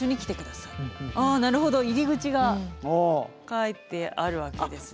ああなるほど入り口が書いてあるわけですね。